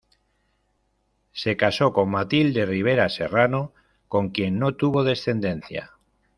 Se casó con Matilde Rivera Serrano, con quien no tuvo descendencia.